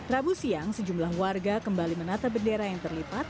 rabu siang sejumlah warga kembali menata bendera yang terlipat